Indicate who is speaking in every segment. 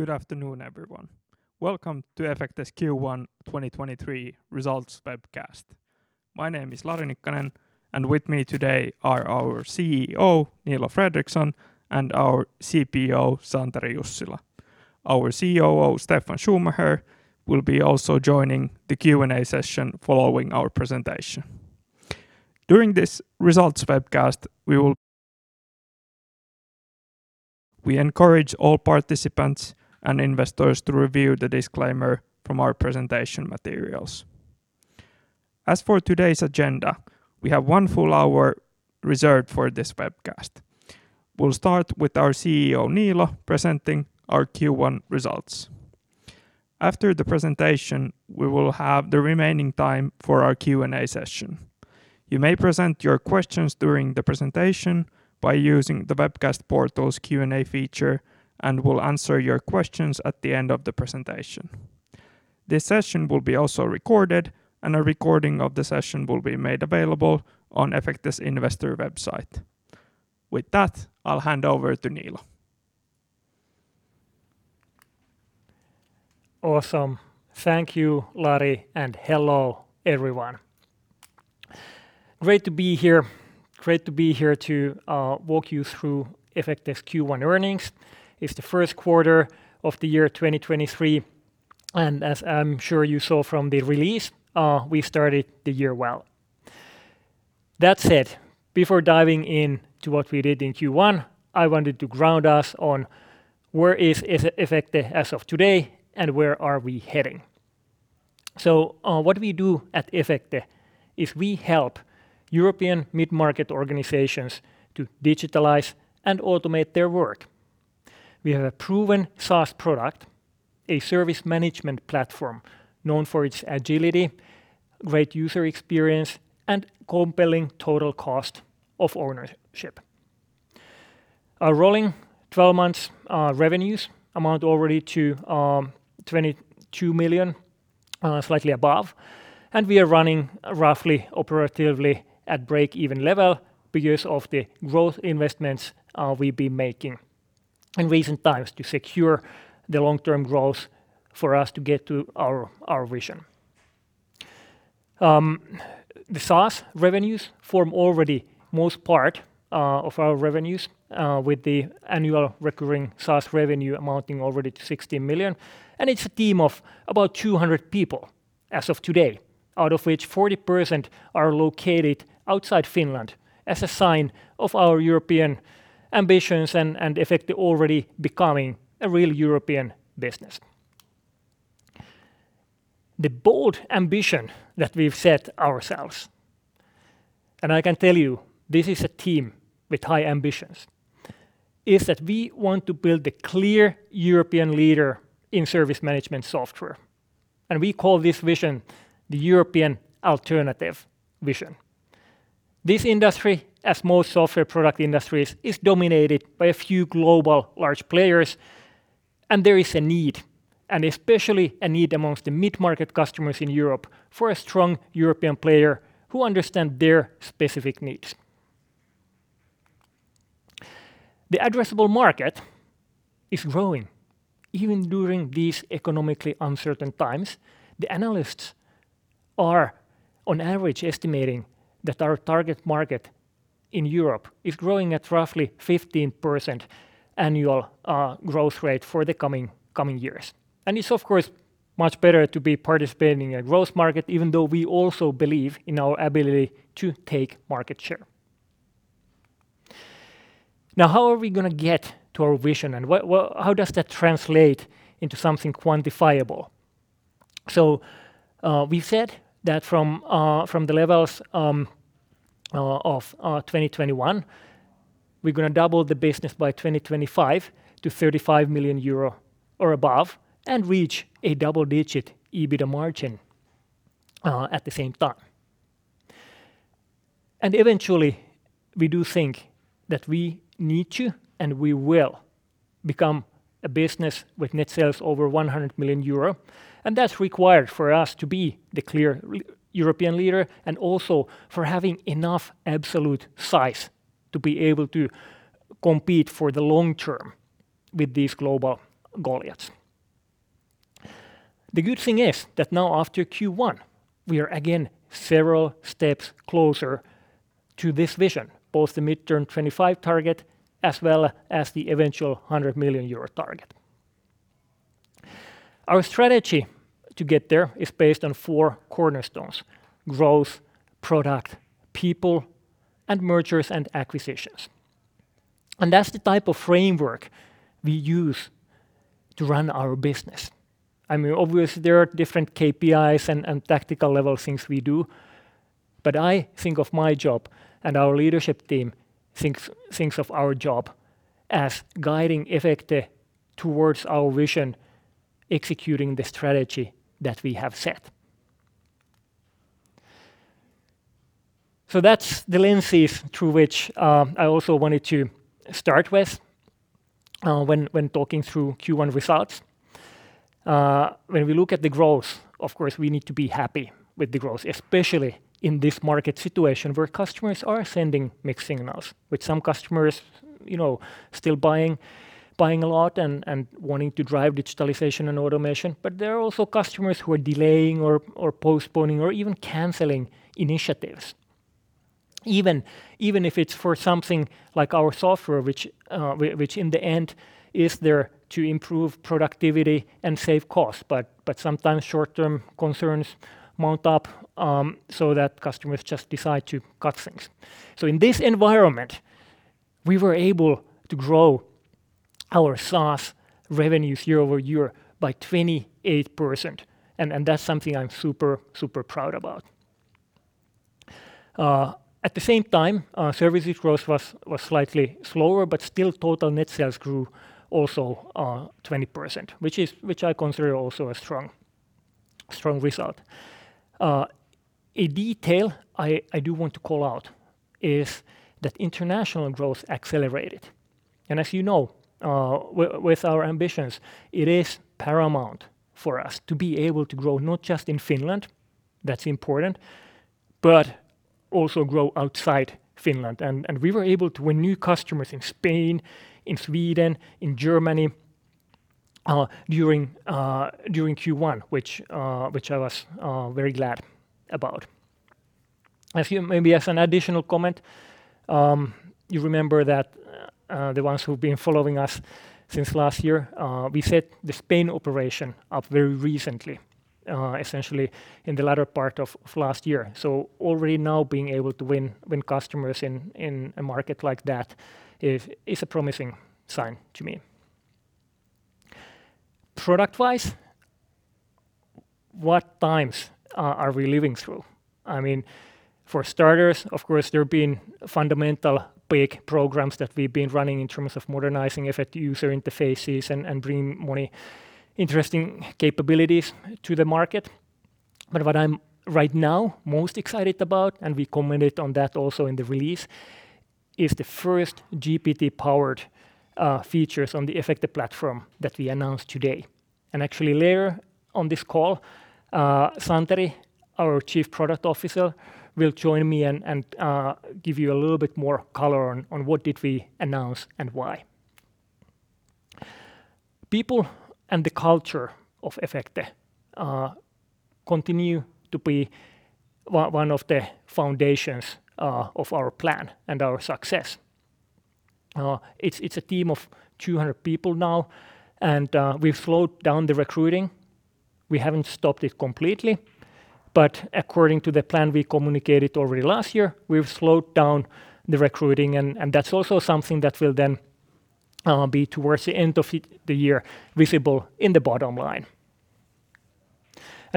Speaker 1: Good afternoon, everyone. Welcome to Efecte's Q1 2023 results webcast. My name is Lari Nikkanen. With me today are our CEO, Niilo Fredrikson, and our CPO, Santeri Jussila. Our COO, Steffan Schumacher, will be also joining the Q&A session following our presentation. During this results webcast, we encourage all participants and investors to review the disclaimer from our presentation materials. As for today's agenda, we have 1 full hour reserved for this webcast. We'll start with our CEO, Niilo, presenting our Q1 results. After the presentation, we will have the remaining time for our Q&A session. You may present your questions during the presentation by using the webcast portal's Q&A feature. We'll answer your questions at the end of the presentation. This session will be also recorded. A recording of the session will be made available on Efecte's investor website. With that, I'll hand over to Niilo.
Speaker 2: Awesome. Thank you, Lari. Hello, everyone. Great to be here. Great to be here to walk you through Efecte's Q1 earnings. It's the first quarter of the year 2023. As I'm sure you saw from the release, we started the year well. That said, before diving in to what we did in Q1, I wanted to ground us on where is Efecte as of today and where are we heading. What we do at Efecte is we help European mid-market organizations to digitalize and automate their work. We have a proven SaaS product, a service management platform known for its agility, great user experience, and compelling total cost of ownership. Our rolling 12-month revenues amount already to 22 million, slightly above. We are running roughly operatively at break-even level because of the growth investments we've been making in recent times to secure the long-term growth for us to get to our vision. The SaaS revenues form already most part of our revenues, with the annual recurring SaaS revenue amounting already to 16 million. It's a team of about 200 people as of today, out of which 40% are located outside Finland as a sign of our European ambitions and Efecte already becoming a real European business. The bold ambition that we've set ourselves, I can tell you this is a team with high ambitions, is that we want to build the clear European leader in service management software. We call this vision the European Alternative Vision. This industry, as most software product industries, is dominated by a few global large players. There is a need, and especially a need amongst the mid-market customers in Europe, for a strong European player who understand their specific needs. The addressable market is growing, even during these economically uncertain times. The analysts are on average estimating that our target market in Europe is growing at roughly 15% annual growth rate for the coming years. It's of course much better to be participating in a growth market, even though we also believe in our ability to take market share. How are we going to get to our vision and how does that translate into something quantifiable? We said that from the levels of 2021, we're going to double the business by 2025 to 35 million euro or above and reach a double-digit EBITDA margin at the same time. Eventually, we do think that we need to, and we will, become a business with net sales over 100 million euro, and that's required for us to be the clear European leader and also for having enough absolute size to be able to compete for the long term with these global goliaths. The good thing is that now after Q1, we are again several steps closer to this vision, both the midterm 2025 target as well as the eventual 100 million euro target. Our strategy to get there is based on four cornerstones: growth, product, people, and mergers and acquisitions. That's the type of framework we use to run our business. I mean, obviously there are different KPIs and tactical level things we do, but I think of my job, and our leadership team thinks of our job, as guiding Efecte towards our vision, executing the strategy that we have set. That's the lenses through which I also wanted to start with when talking through Q1 results. When we look at the growth, of course, we need to be happy with the growth, especially in this market situation where customers are sending mixed signals, with some customers, you know, still buying a lot and wanting to drive digitalization and automation. There are also customers who are delaying or postponing or even canceling initiatives, even if it's for something like our software which in the end is there to improve productivity and save costs. Sometimes short-term concerns mount up, so that customers just decide to cut things. In this environment, we were able to grow our SaaS revenues year-over-year by 28%, and that's something I'm super proud about. At the same time, services growth was slightly slower, but still total net sales grew also 20%, which I consider also a strong result. A detail I do want to call out is that international growth accelerated. As you know, with our ambitions, it is paramount for us to be able to grow not just in Finland, that's important, but also grow outside Finland. We were able to win new customers in Spain, in Sweden, in Germany, during Q1 which I was very glad about. A few maybe as an additional comment, you remember that the ones who've been following us since last year, we set the Spain operation up very recently, essentially in the latter part of last year. Already now being able to win customers in a market like that is a promising sign to me. Product-wise, what times are we living through? I mean, for starters, of course, there have been fundamental big programs that we've been running in terms of modernizing Efecte user interfaces and bringing more interesting capabilities to the market. What I'm right now most excited about, and we commented on that also in the release, is the first GPT-powered features on the Efecte platform that we announced today. Actually later on this call, Santeri, our Chief Product Officer, will join me and give you a little bit more color on what did we announce and why. People and the culture of Efecte continue to be one of the foundations of our plan and our success. It's a team of 200 people now, and we've slowed down the recruiting. We haven't stopped it completely, but according to the plan we communicated already last year, we've slowed down the recruiting and that's also something that will then be towards the end of the year visible in the bottom line.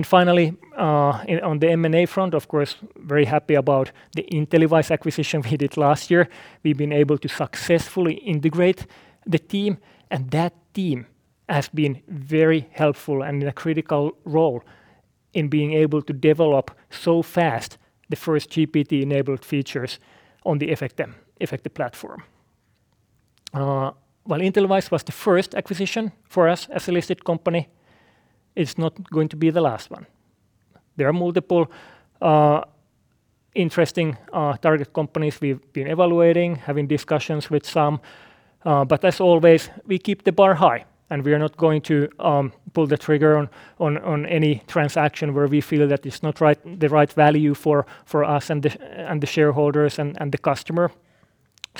Speaker 2: Finally, on the M&A front, of course, very happy about the InteliWISE acquisition we did last year. We've been able to successfully integrate the team, and that team has been very helpful and in a critical role in being able to develop so fast the first GPT-enabled features on the Efecte platform. While InteliWISE was the first acquisition for us as a listed company, it's not going to be the last one. There are multiple interesting target companies we've been evaluating, having discussions with some. As always, we keep the bar high, and we are not going to pull the trigger on any transaction where we feel that it's not right, the right value for us and the shareholders and the customer.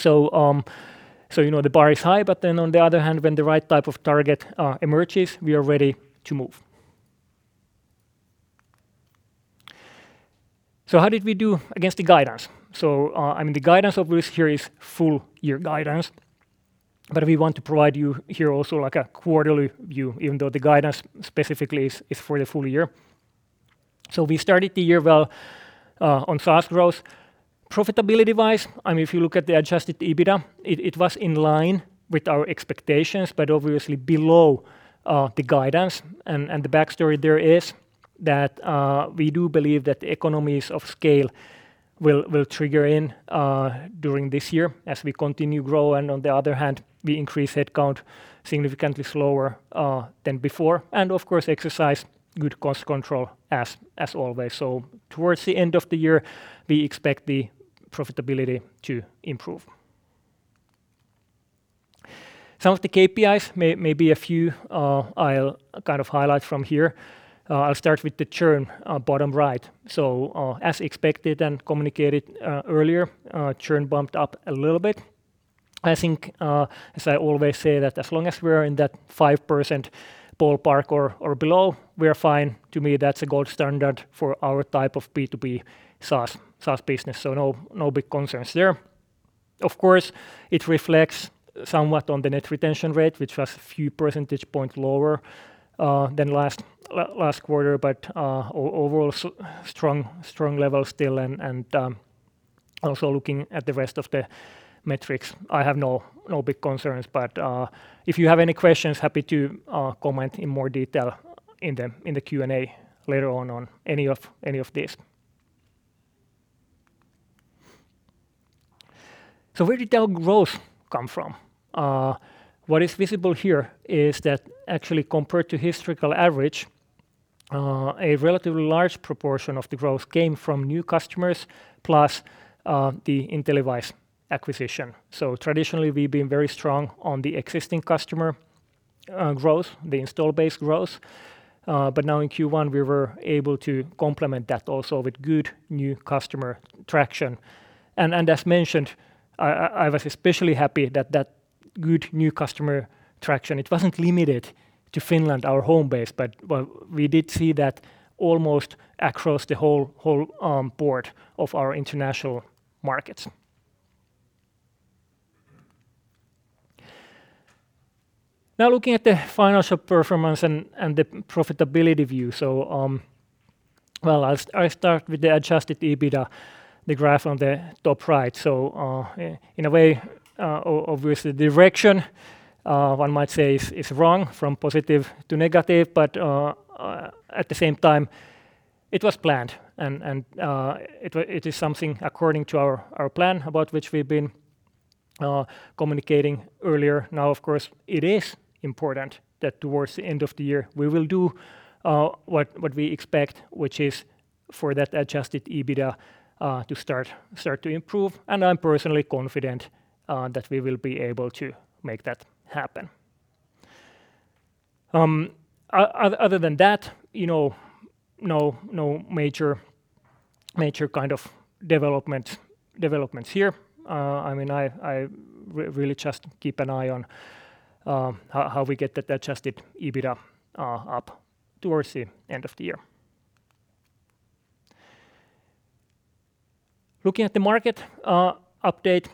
Speaker 2: You know the bar is high, on the other hand, when the right type of target emerges, we are ready to move. How did we do against the guidance? I mean, the guidance obviously here is full year guidance, but we want to provide you here also like a quarterly view, even though the guidance specifically is for the full year. We started the year well on SaaS growth. Profitability-wise, I mean, if you look at the adjusted EBITDA, it was in line with our expectations, obviously below the guidance. The backstory there is that we do believe that the economies of scale will trigger in during this year as we continue grow, on the other hand, we increase headcount significantly slower than before and of course exercise good cost control as always. Towards the end of the year, we expect the profitability to improve. Some of the KPIs may be a few, I'll kind of highlight from here. I'll start with the churn on bottom right. As expected and communicated earlier, churn bumped up a little bit. I think, as I always say, that as long as we're in that 5% ballpark or below, we are fine. To me, that's a gold standard for our type of B2B SaaS business, no big concerns there. Of course, it reflects somewhat on the net retention rate, which was a few percentage points lower than last quarter, but overall strong level still and, also looking at the rest of the metrics, I have no big concerns. If you have any questions, happy to comment in more detail in the Q&A later on any of this. Where did that growth come from? What is visible here is that actually compared to historical average, a relatively large proportion of the growth came from new customers plus the InteliWISE acquisition. Traditionally, we've been very strong on the existing customer growth, the install base growth, but now in Q1, we were able to complement that also with good new customer traction. As mentioned, I was especially happy that good new customer traction, it wasn't limited to Finland, our home base, but we did see that almost across the whole board of our international markets. Looking at the financial performance and the profitability view. Well, I'll start with the adjusted EBITDA, the graph on the top right. In a way, obviously, direction one might say is wrong from positive to negative, but at the same time, it was planned. It is something according to our plan about which we've been communicating earlier. Now, of course, it is important that towards the end of the year, we will do what we expect, which is for that adjusted EBITDA to start to improve. I'm personally confident that we will be able to make that happen. Other than that, you know, no major kind of developments here. I mean, I really just keep an eye on how we get that adjusted EBITDA up towards the end of the year. Looking at the market update,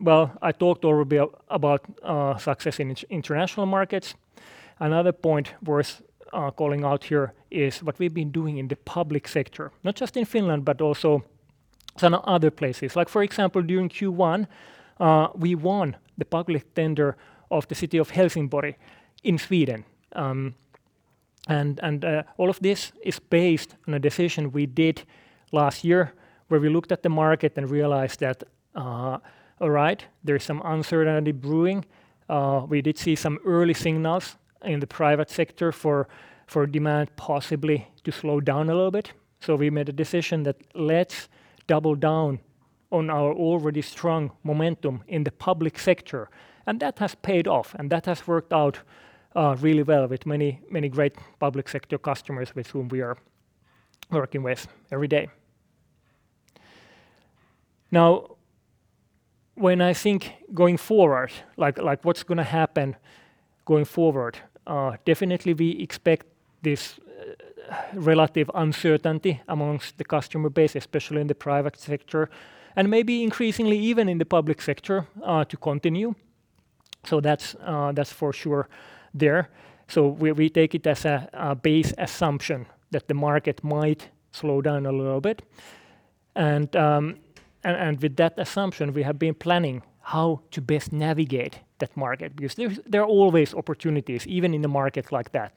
Speaker 2: well, I talked already about success in international markets. Another point worth calling out here is what we've been doing in the public sector, not just in Finland, but also some other places. Like, for example, during Q1, we won the public tender of the city of Helsingborg in Sweden. All of this is based on a decision we did last year where we looked at the market and realized that, all right, there is some uncertainty brewing. We did see some early signals in the private sector for demand possibly to slow down a little bit. We made a decision that let's double down on our already strong momentum in the public sector, and that has paid off, and that has worked out really well with many, many great public sector customers with whom we are working with every day. When I think going forward, like, what's gonna happen going forward, definitely we expect this relative uncertainty amongst the customer base, especially in the private sector, and maybe increasingly even in the public sector, to continue. That's for sure there. We take it as a base assumption that the market might slow down a little bit. With that assumption, we have been planning how to best navigate that market because there are always opportunities, even in a market like that.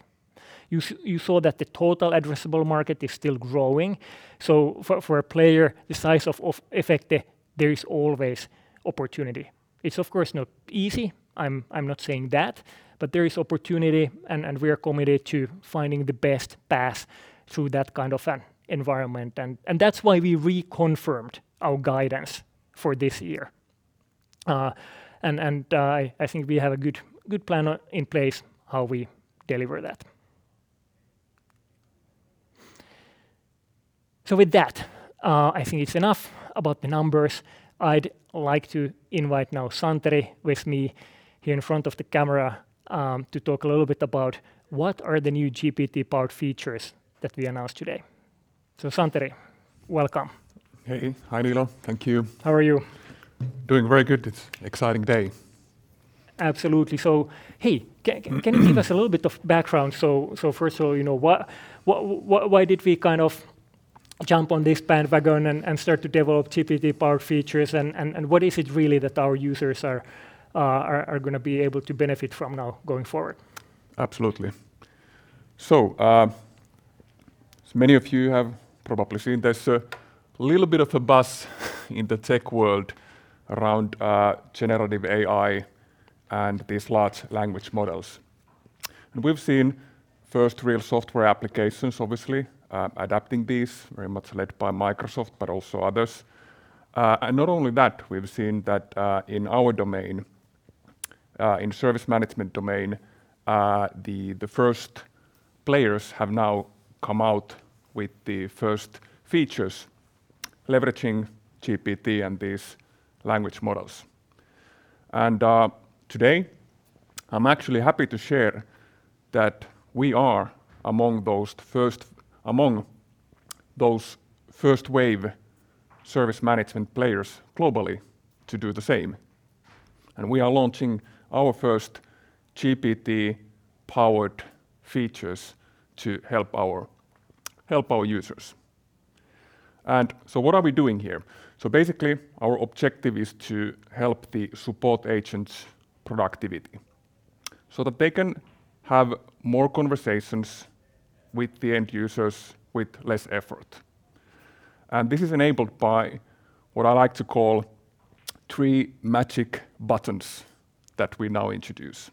Speaker 2: You saw that the total addressable market is still growing. For a player the size of Efecte, there is always opportunity. It's of course not easy, I'm not saying that, but there is opportunity and we are committed to finding the best path through that kind of an environment. That's why we reconfirmed our guidance for this year. And I think we have a good plan in place how we deliver that. With that, I think it's enough about the numbers. I'd like to invite now Santeri with me here in front of the camera to talk a little bit about what are the new GPT-powered features that we announced today. Santeri, welcome.
Speaker 3: Hey. Hi, Niilo. Thank you.
Speaker 2: How are you?
Speaker 3: Doing very good. It's exciting day.
Speaker 2: Absolutely. hey, can you give us a little bit of background? so first of all, you know, why did we kind of jump on this bandwagon and start to develop GPT-powered features and what is it really that our users are gonna be able to benefit from now going forward?
Speaker 3: Absolutely. As many of you have probably seen, there's a little bit of a buzz in the tech world around generative AI and these large language models. We've seen first real software applications obviously, adapting these, very much led by Microsoft, but also others. Not only that, we've seen that in our domain, in service management domain, the first players have now come out with the first features leveraging GPT and these language models. Today, I'm actually happy to share that we are among those first wave service management players globally to do the same. We are launching our first GPT-powered features to help our users. What are we doing here? Basically, our objective is to help the support agents' productivity. That they can have more conversations with the end users with less effort. This is enabled by what I like to call three magic buttons that we now introduce.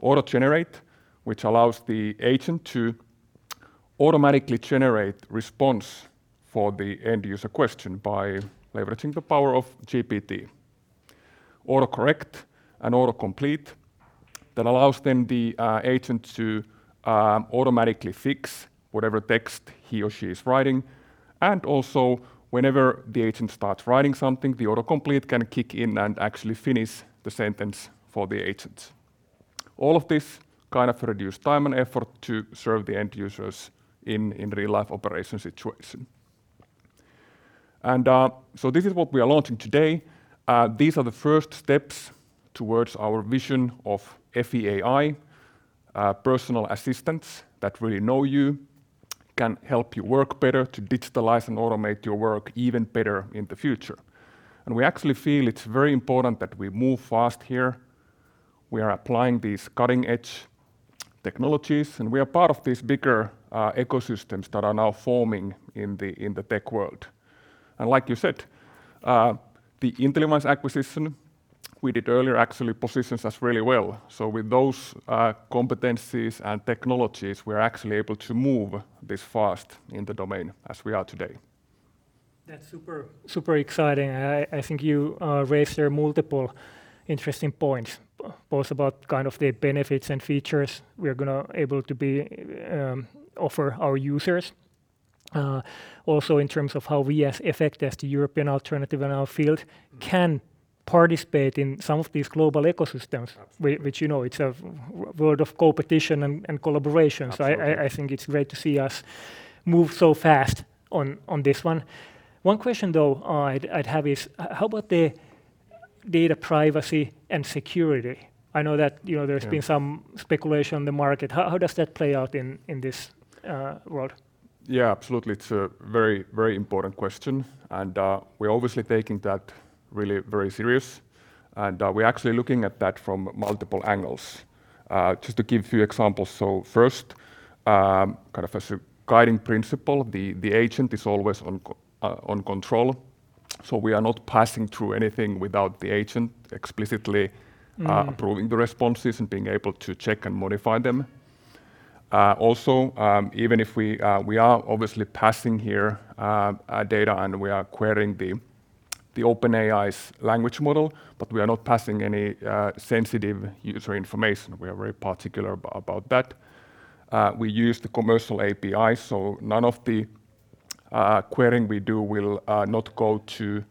Speaker 3: Auto-generate, which allows the agent to automatically generate response for the end user question by leveraging the power of GPT. Autocorrect and Autocomplete that allows then the agent to automatically fix whatever text he or she is writing. Also whenever the agent starts writing something, the Autocomplete can kick in and actually finish the sentence for the agent. All of this kind of reduced time and effort to serve the end users in real life operation situation. This is what we are launching today. These are the first steps towards our vision of Effie AI, personal assistants that really know you, can help you work better to digitalize and automate your work even better in the future. We actually feel it's very important that we move fast here. We are applying these cutting-edge technologies, and we are part of these bigger ecosystems that are now forming in the, in the tech world. Like you said, the InteliWISE acquisition we did earlier actually positions us really well. With those competencies and technologies, we're actually able to move this fast in the domain as we are today.
Speaker 2: That's super exciting. I think you raised there multiple interesting points, both about kind of the benefits and features we're gonna able to be offer our users. Also in terms of how we as Efecte, as the European Alternative in our field can participate in some of these global ecosystems.
Speaker 3: Absolutely....
Speaker 2: which, you know, it's a world of competition and collaboration.
Speaker 3: Absolutely.
Speaker 2: I think it's great to see us move so fast on this one. One question though I'd have is how about the data privacy and security? I know that-
Speaker 3: Yeah....
Speaker 2: some speculation in the market. How does that play out in this world?
Speaker 3: Yeah, absolutely. It's a very, very important question. We're obviously taking that really very serious, we're actually looking at that from multiple angles. Just to give a few examples. First, kind of as a guiding principle, the agent is always on control, so we are not passing through anything without the agent explicitly-
Speaker 2: Mm-hmm....
Speaker 3: approving the responses and being able to check and modify them. Also, even if we are obviously passing here data and we are querying the OpenAI's language model, but we are not passing any sensitive user information. We are very particular about that. We use the commercial API, none of the querying we do will not go to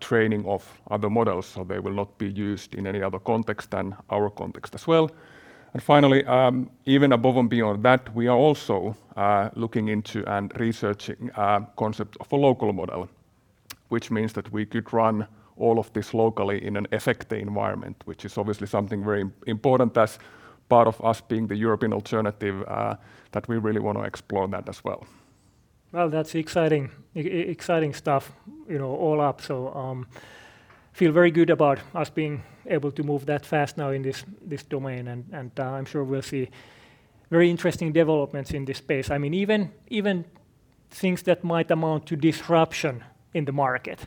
Speaker 3: training of other models. They will not be used in any other context than our context as well. Finally, even above and beyond that, we are also looking into and researching concept of a local model, which means that we could run all of this locally in an Efecte environment, which is obviously something very important as part of us being the European Alternative, that we really wanna explore that as well.
Speaker 2: That's exciting stuff, you know, all up. Feel very good about us being able to move that fast now in this domain. I'm sure we'll see very interesting developments in this space. I mean, even things that might amount to disruption in the market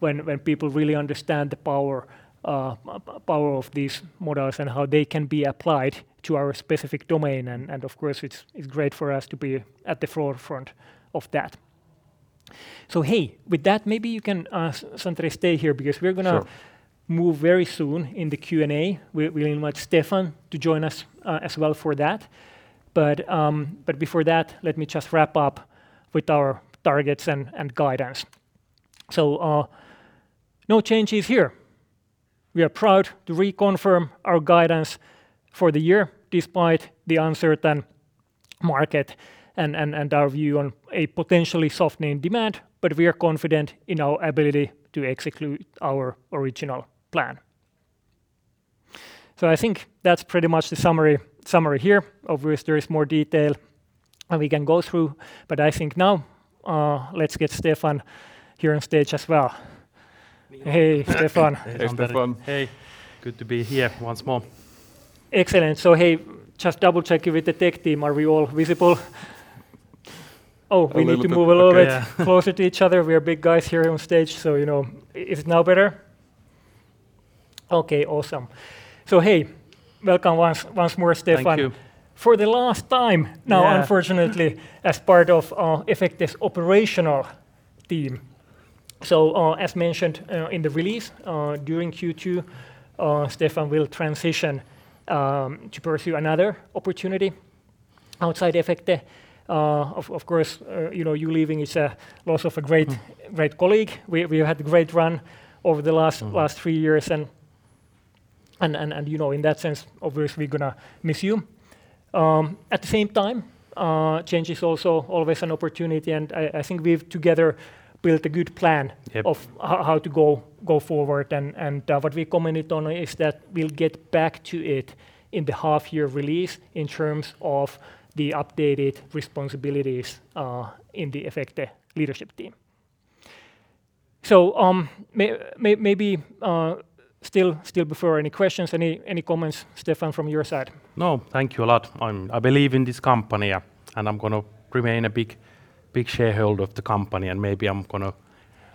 Speaker 2: when people really understand the power of these models and how they can be applied to our specific domain. Of course, it's great for us to be at the forefront of that. Hey, with that, maybe you can Santeri stay here-
Speaker 3: Sure....
Speaker 2: move very soon in the Q&A. We invite Steffan to join us as well for that. Before that, let me just wrap up with our targets and guidance. No changes here. We are proud to reconfirm our guidance for the year despite the uncertain market and our view on a potentially softening demand, but we are confident in our ability to execute our original plan. I think that's pretty much the summary here. Obviously, there is more detail we can go through, but I think now, let's get Steffan here on stage as well. Hey, Steffan.
Speaker 3: Hey, Steffan.
Speaker 4: Hey, Santeri. Hey. Good to be here once more.
Speaker 2: Excellent. hey, just double-checking with the tech team, are we all visible? Oh, we need to move a little bit...
Speaker 4: A little bit. Okay. Yeah....
Speaker 2: closer to each other. We are big guys here on stage, so, you know. Is it now better? Okay. Awesome. Hey, welcome once more, Steffan.
Speaker 4: Thank you.
Speaker 2: For the last time now-
Speaker 4: Yeah....
Speaker 2: unfortunately, as part of Efecte's operational team. As mentioned in the release during Q2, Steffan will transition to pursue another opportunity outside Efecte. Of course, you know, you leaving is a loss of a great-
Speaker 4: Mmm....
Speaker 2: great colleague. We had a great run over the last.
Speaker 4: Mmm....
Speaker 2: last three years, and, you know, in that sense, obviously gonna miss you. At the same time, change is also always an opportunity, and I think we've together built a good plan-
Speaker 4: Yep....
Speaker 2: of how to go forward. What we commented on is that we'll get back to it in the half year release in terms of the updated responsibilities, in the Efecte leadership team. Maybe, still before any questions, any comments, Steffan, from your side?
Speaker 4: No, thank you a lot. I believe in this company, and I'm gonna remain a big, big shareholder of the company, and maybe I'm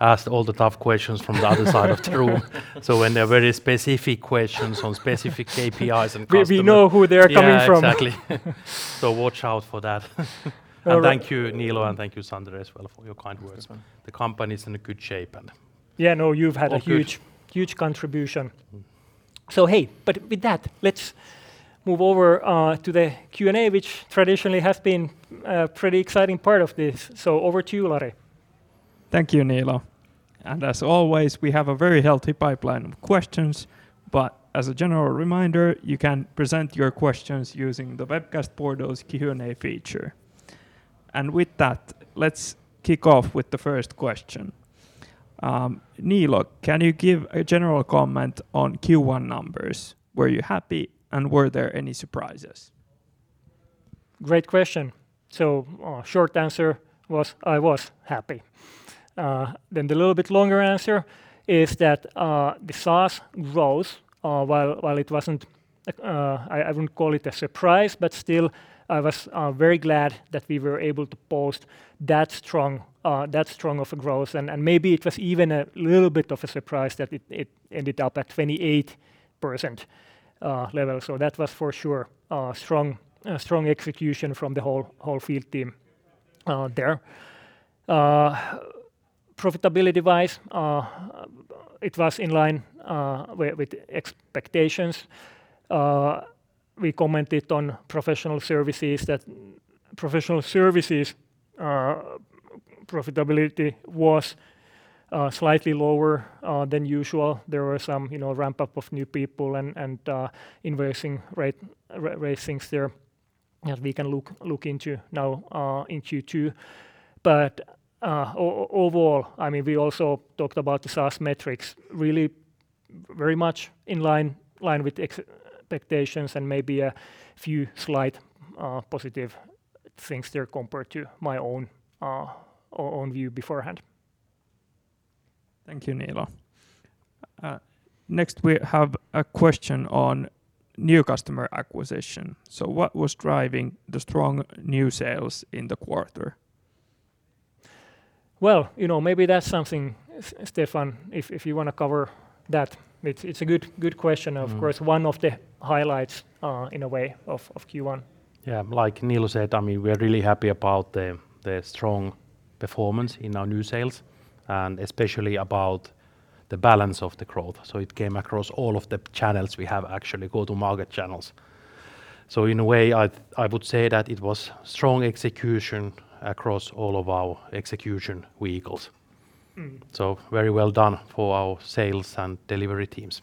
Speaker 4: gonna ask all the tough questions from the other side of the room. When there are very specific questions on specific KPIs.
Speaker 2: We know who they're coming from.
Speaker 4: Yeah, exactly. Watch out for that.
Speaker 2: All right.
Speaker 4: Thank you, Niilo, and thank you, Santeri, as well for your kind words.
Speaker 2: Yes.
Speaker 4: The company's in a good shape and.
Speaker 2: Yeah, no, you've had a-
Speaker 4: All good....
Speaker 2: huge contribution. Hey, but with that, let's move over to the Q&A, which traditionally has been a pretty exciting part of this. Over to you, Lari.
Speaker 1: Thank you, Niilo. As always, we have a very healthy pipeline of questions. As a general reminder, you can present your questions using the webcast portal's Q&A feature. With that, let's kick off with the first question. Niilo, can you give a general comment on Q1 numbers? Were you happy, and were there any surprises?
Speaker 2: Great question. Short answer was I was happy. The little bit longer answer is that the SaaS growth, while it wasn't, I wouldn't call it a surprise, but still I was very glad that we were able to post that strong of a growth. Maybe it was even a little bit of a surprise that it ended up at 28% level. That was for sure a strong execution from the whole field team there. Profitability-wise, it was in line with expectations. We commented on professional services, that professional services profitability was slightly lower than usual. There were some, you know, ramp-up of new people and invoicing rates things there that we can look into now in Q2. Overall, I mean, we also talked about the SaaS metrics really very much in line with expectations and maybe a few slight positive things there compared to my own view beforehand.
Speaker 4: Thank you, Niilo. Next we have a question on new customer acquisition. What was driving the strong new sales in the quarter?
Speaker 2: Well, you know, maybe that's something, Steffan, if you wanna cover that. It's a good question.
Speaker 4: Mm-hmm.
Speaker 2: Of course, one of the highlights, in a way of Q1.
Speaker 3: Yeah. Like Niilo said, I mean, we're really happy about the strong performance in our new sales, and especially about the balance of the growth. It came across all of the channels we have actually, go-to-market channels. In a way, I would say that it was strong execution across all of our execution vehicles.
Speaker 2: Mm-hmm.
Speaker 3: Very well done for our sales and delivery teams.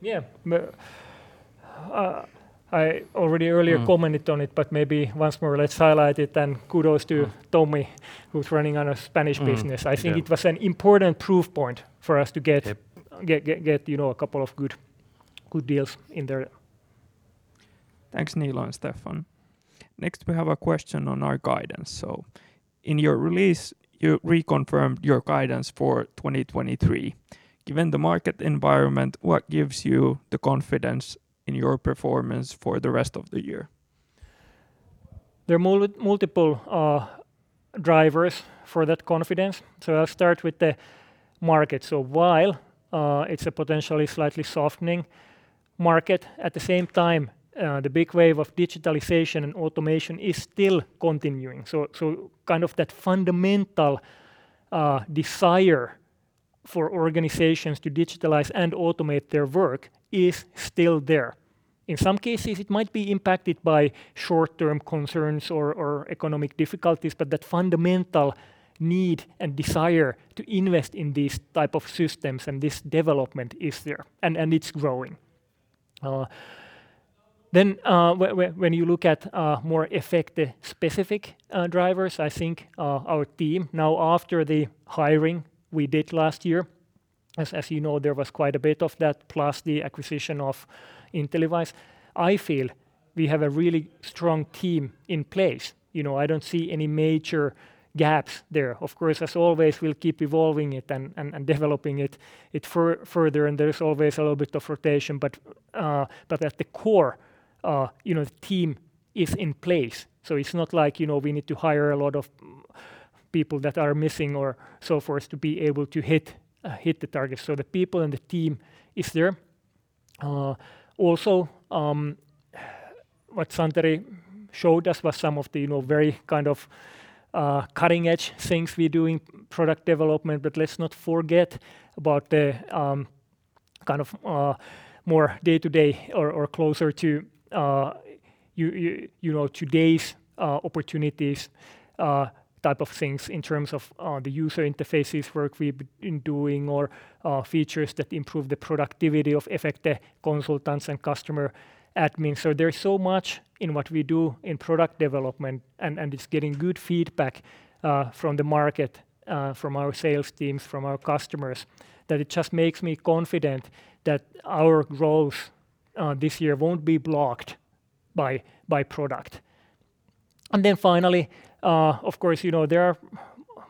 Speaker 2: Yeah. I already earlier-
Speaker 3: Mmm....
Speaker 2: commented on it, but maybe once more let's highlight it, and kudos to Tomi, who's running on a Spanish business.
Speaker 4: Yeah.
Speaker 2: I think it was an important proof point for us to get-
Speaker 3: Yep....
Speaker 2: get, you know, a couple of good deals in there.
Speaker 1: Thanks, Niilo and Steffan. Next, we have a question on our guidance. In your release, you reconfirmed your guidance for 2023. Given the market environment, what gives you the confidence in your performance for the rest of the year?
Speaker 2: There are multiple drivers for that confidence, so I'll start with the market. While it's a potentially slightly softening market, at the same time, the big wave of digitalization and automation is still continuing. Kind of that fundamental desire for organizations to digitalize and automate their work is still there. In some cases, it might be impacted by short-term concerns or economic difficulties, but that fundamental need and desire to invest in these type of systems and this development is there, and it's growing. When you look at more Efecte-specific drivers, I think, our team now after the hiring we did last year, as you know, there was quite a bit of that, plus the acquisition of InteliWISE, I feel we have a really strong team in place. You know, I don't see any major gaps there. Of course, as always, we'll keep evolving it and developing it further, and there is always a little bit of rotation. At the core, the team is in place, so it's not like we need to hire a lot of people that are missing or so for us to be able to hit the target. The people and the team is there. Also, what Santeri showed us was some of the very kind of cutting-edge things we're doing product development. Let's not forget about the kind of more day-to-day or closer to you know today's opportunities type of things in terms of the user interfaces work we've been doing or features that improve the productivity of Efecte consultants and customer admin. There's so much in what we do in product development, and it's getting good feedback from the market, from our sales teams, from our customers, that it just makes me confident that our growth this year won't be blocked by product. Finally, of course, you know, there are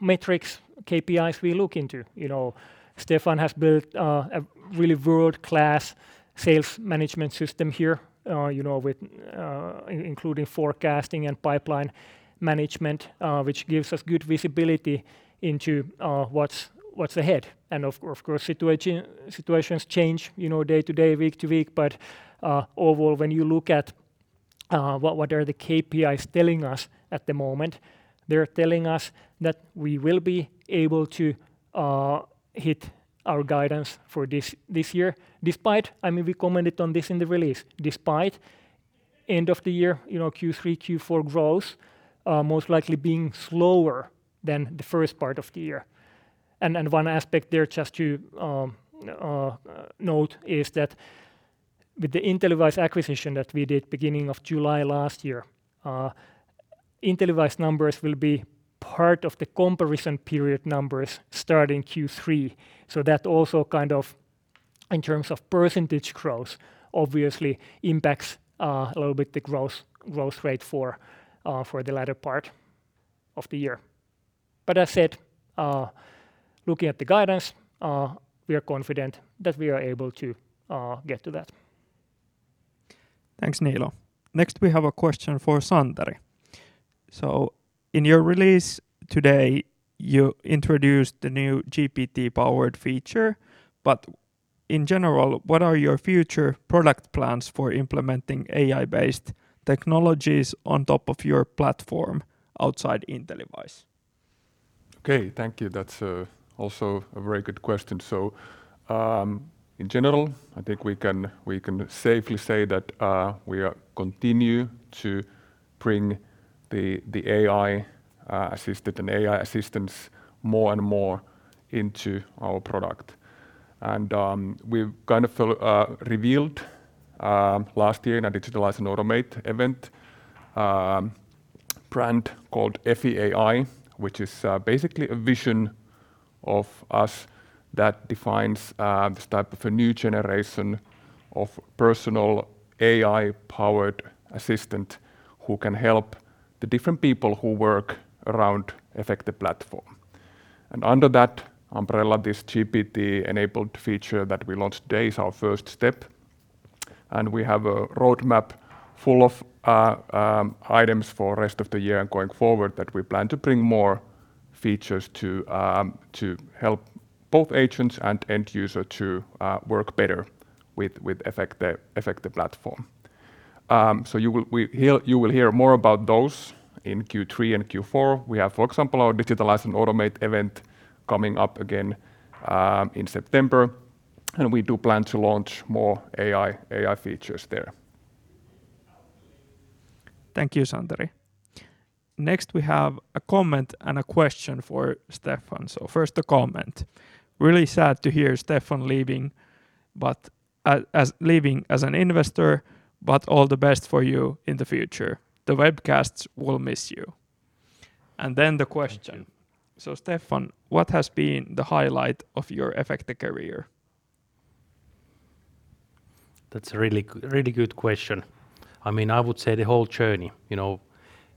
Speaker 2: metrics, KPIs we look into. You know, Steffan has built a really world-class sales management system here, you know, with including forecasting and pipeline management, which gives us good visibility into what's ahead. Of course, situations change, you know, day-today, week-to-week. Overall, when you look at what are the KPIs telling us at the moment, they're telling us that we will be able to hit our guidance for this year despite, I mean, we commented on this in the release. Despite end of the year, you know, Q3, Q4 growth most likely being slower than the first part of the year. One aspect there just to note is that with the InteliWISE acquisition that we did beginning of July last year, InteliWISE numbers will be part of the comparison period numbers starting Q3. That also kind of, in terms of percentage growth, obviously impacts a little bit the growth rate for the latter part of the year. As said, looking at the guidance, we are confident that we are able to get to that.
Speaker 1: Thanks, Niilo. Next, we have a question for Santeri. In your release today, you introduced the new GPT-powered feature. In general, what are your future product plans for implementing AI-based technologies on top of your platform outside InteliWISE?
Speaker 3: Thank you. That's also a very good question. In general, I think we can safely say that we are continue to bring the AI assistant and AI assistance more and more into our product. We've kind of revealed last year in our Digitalize and Automate event, brand called Effie AI, which is basically a vision of us that defines this type of a new generation of personal AI-powered assistant who can help the different people who work around Efecte platform. Under that umbrella, this GPT-enabled feature that we launched today is our first step, and we have a roadmap full of items for rest of the year and going forward that we plan to bring more features to help both agents and end user to work better with Efecte platform. You will hear more about those in Q3 and Q4. We have, for example, our Digitalize and Automate event coming up again in September, and we do plan to launch more AI features there.
Speaker 1: Thank you, Santeri. Next, we have a comment and a question for Steffan. First the comment. "Really sad to hear Steffan leaving, but leaving as an investor, but all the best for you in the future. The webcasts will miss you." Then the question.
Speaker 3: Thank you.
Speaker 1: Steffan, what has been the highlight of your Efecte career?
Speaker 4: That's a really good question. I mean, I would say the whole journey. You know,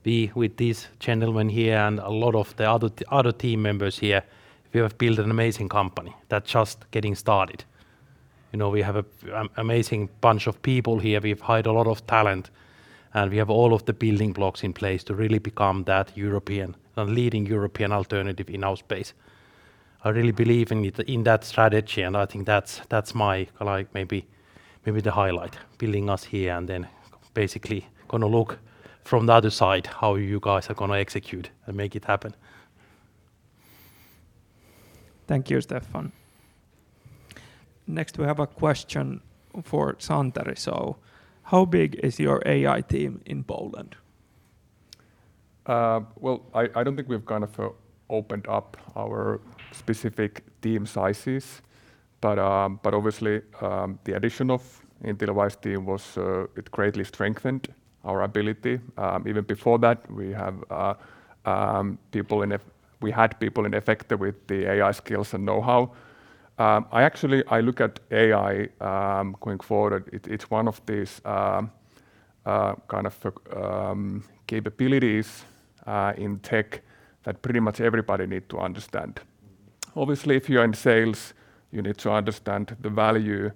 Speaker 4: we, with these gentlemen here and a lot of the other team members here, we have built an amazing company that just getting started. You know, we have a amazing bunch of people here. We've hired a lot of talent, and we have all of the building blocks in place to really become that European, a leading European Alternative in our space. I really believe in it, in that strategy, and I think that's my, like, maybe the highlight, building us here and then basically gonna look from the other side how you guys are gonna execute and make it happen.
Speaker 1: Thank you, Steffan. Next, we have a question for Santeri. How big is your AI team in Poland?
Speaker 3: Well, I don't think we've kind of opened up our specific team sizes, but obviously, the addition of InteliWISE team was it greatly strengthened our ability. Even before that, we had people in Efecte with the AI skills and know-how. I actually, I look at AI, going forward, it's one of these kind of capabilities in tech that pretty much everybody need to understand. Obviously, if you're in sales, you need to understand the value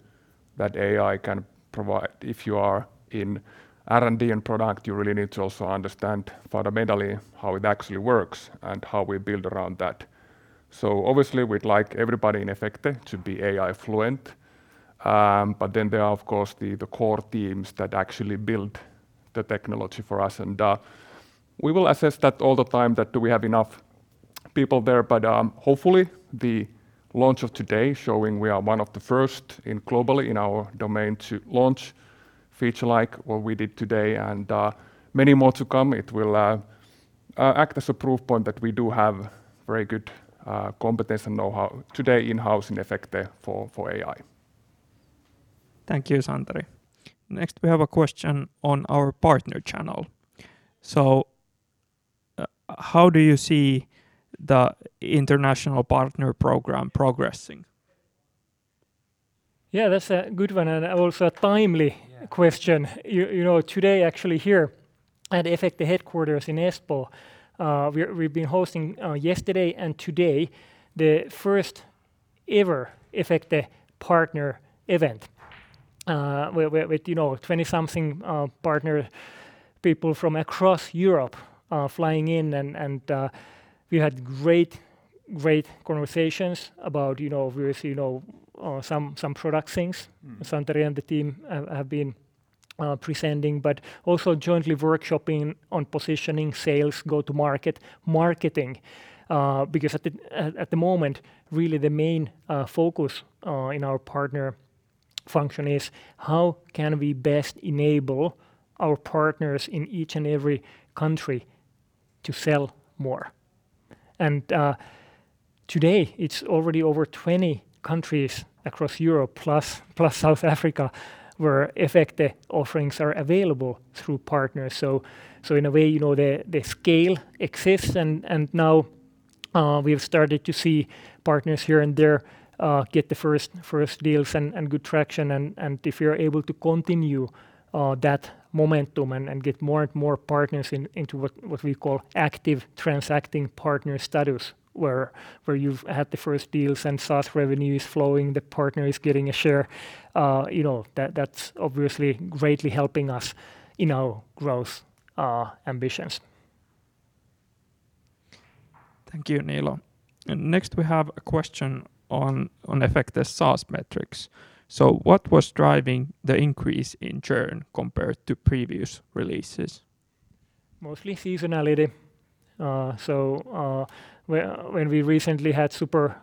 Speaker 3: that AI can provide. If you are in R&D and product, you really need to also understand fundamentally how it actually works and how we build around that. Obviously we'd like everybody in Efecte to be AI fluent, but then there are of course the core teams that actually build the technology for us. We will assess that all the time that do we have enough people there. Hopefully the launch of today showing we are one of the first in globally in our domain to launch feature like what we did today and many more to come, it will act as a proof point that we do have very good competence and know-how today in-house in Efecte for AI.
Speaker 1: Thank you, Santeri. Next, we have a question on our partner channel. How do you see the international partner program progressing?
Speaker 2: That's a good one and also a timely question. You know, today actually here at Efecte headquarters in Espoo, we've been hosting yesterday and today the first ever Efecte partner event. Where with, you know, 20-something partner people from across Europe flying in and we had great conversations about, you know, obviously, you know, some product things. Santeri and the team have been presenting, also jointly workshopping on positioning sales, go-to-market marketing. At the moment, really the main focus in our partner function is how can we best enable our partners in each and every country to sell more? Today, it's already over 20 countries across Europe plus South Africa where Efecte offerings are available through partners. In a way, you know, the scale exists and now we have started to see partners here and there get the first deals and good traction. If you're able to continue that momentum and get more and more partners in, into what we call active transacting partner status where you've had the first deals and SaaS revenue is flowing, the partner is getting a share, you know, that's obviously greatly helping us in our growth ambitions.
Speaker 1: Thank you, Niilo. Next we have a question on Efecte's SaaS metrics. What was driving the increase in churn compared to previous releases?
Speaker 2: Mostly seasonality. When we recently had super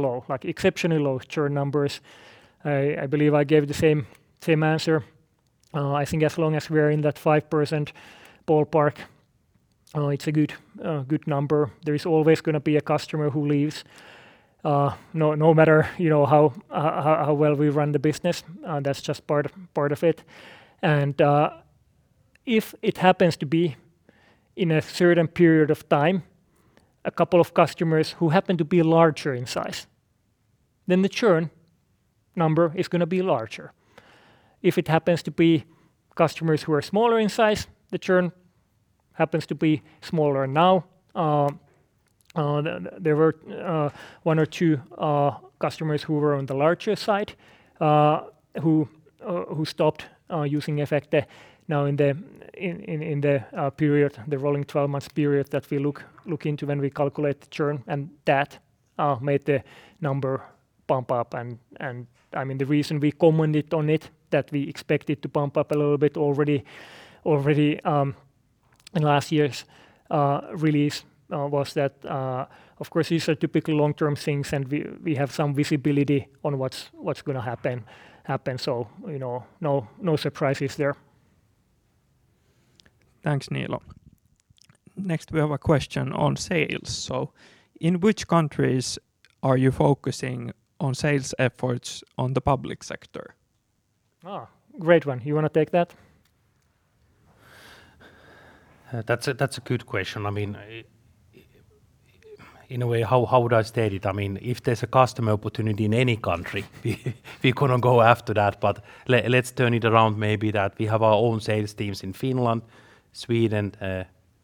Speaker 2: low, like exceptionally low churn numbers, I believe I gave the same answer. I think as long as we're in that 5% ballpark, it's a good number. There is always gonna be a customer who leaves, no matter, you know, how well we run the business. That's just part of it. If it happens to be in a certain period of time, a couple of customers who happen to be larger in size, then the churn number is gonna be larger. If it happens to be customers who are smaller in size, the churn happens to be smaller. Now, there were one or two customers who were on the larger side, who stopped using Efecte now in the period, the rolling 12 months period that we look into when we calculate the churn, and that made the number bump up. I mean, the reason we commented on it, that we expect it to bump up a little bit already in last year's release, was that, of course, these are typical long-term things, and we have some visibility on what's gonna happen. You know, no surprises there.
Speaker 1: Thanks, Niilo. Next, we have a question on sales. In which countries are you focusing on sales efforts on the public sector?
Speaker 2: Oh, great one. You wanna take that?
Speaker 4: That's a good question. I mean, in a way, how would I state it? I mean, if there's a customer opportunity in any country, we're gonna go after that. let's turn it around maybe that we have our own sales teams in Finland, Sweden,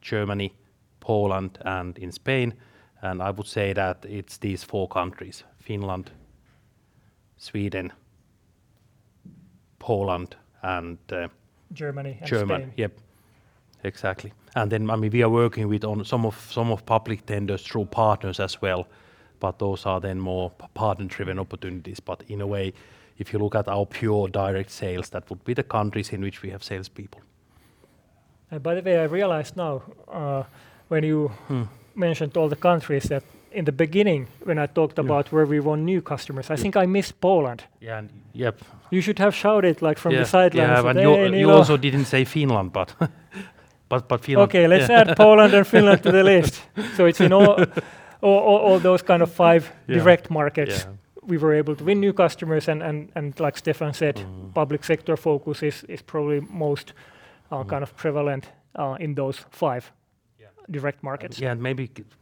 Speaker 4: Germany, Poland, and in Spain. I would say that it's these four countries: Finland, Sweden, Poland, and-
Speaker 2: Germany and Spain.
Speaker 4: Germany. Yep. Exactly. I mean, we are working with on some of public tenders through partners as well, but those are then more partner-driven opportunities. In a way, if you look at our pure direct sales, that would be the countries in which we have salespeople.
Speaker 2: By the way, I realize now-
Speaker 4: Mmm....
Speaker 2: mentioned all the countries that in the beginning when I talked about-
Speaker 4: Yeah....
Speaker 2: where we won new customers.
Speaker 4: Yeah.
Speaker 2: I think I missed Poland.
Speaker 4: Yeah. Yep.
Speaker 2: You should have shouted like from the sidelines.
Speaker 4: Yeah. Niilo. You also didn't say Finland, but Finland.
Speaker 2: Okay.
Speaker 4: Yeah.
Speaker 2: Let's add Poland and Finland to the list. It's in all those kind of five-
Speaker 4: Yeah....
Speaker 2: direct markets-
Speaker 4: Yeah....
Speaker 2: we were able to win new customers. Like Steffan said.
Speaker 4: Mmm....
Speaker 2: public sector focus is probably most, kind of prevalent, in those five-
Speaker 4: Yeah....
Speaker 2: direct markets.
Speaker 4: Yeah, and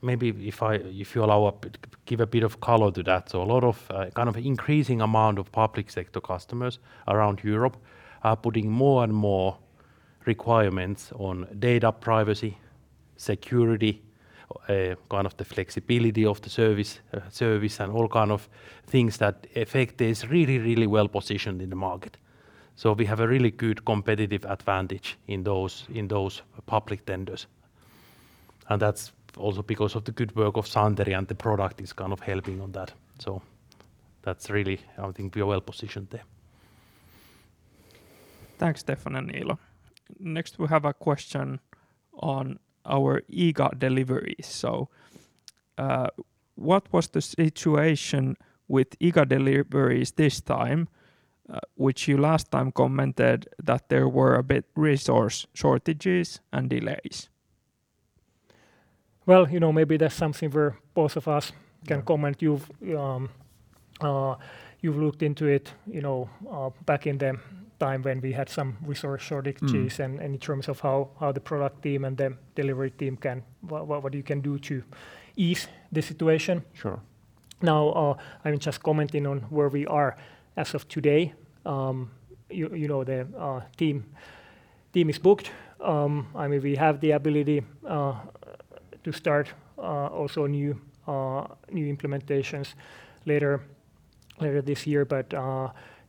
Speaker 4: maybe if you allow up, give a bit of color to that. A lot of, kind of increasing amount of public sector customers around Europe are putting more and more requirements on data privacy, security, kind of the flexibility of the service, and all kind of things that Efecte is really, really well positioned in the market. We have a really good competitive advantage in those, in those public tenders, and that's also because of the good work of Santeri, and the product is kind of helping on that. That's really how I think we are well positioned there.
Speaker 1: Thanks, Steffan and Niilo. Next, we have a question on our IGA deliveries. What was the situation with IGA deliveries this time, which you last time commented that there were a bit resource shortages and delays?
Speaker 2: Well, you know, maybe that's something where both of us-
Speaker 4: Yeah....
Speaker 2: can comment. You've looked into it, you know, back in the time when we had some resource shortages in terms of how the product team and the delivery team can, what you can do to ease the situation.
Speaker 4: Sure.
Speaker 2: Now, I mean, just commenting on where we are as of today, you know, the team is booked. I mean, we have the ability to start also new implementations later this year.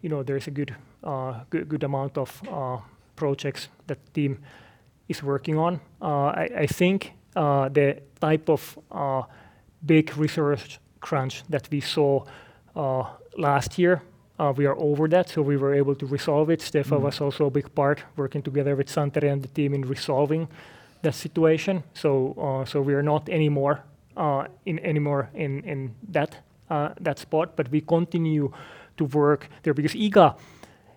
Speaker 2: You know, there is a good amount of projects that team is working on. I think the type of big resource crunch that we saw last year, we are over that, so we were able to resolve it. Steffan was also a big part, working together with Santeri and the team in resolving the situation. We are not anymore in that spot, but we continue to work there because IGA